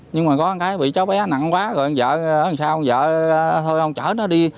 nhưng mà có một cái bị cháu bé nặng quá rồi ông vợ ông vợ thôi ông chở nó đi